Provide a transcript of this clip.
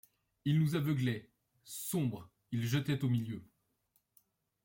Il nous aveuglait ; sombre, il jetait au milieu